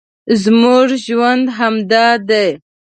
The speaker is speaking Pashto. زموږ ژوند همدا دی